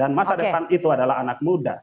dan masa depan itu adalah anak muda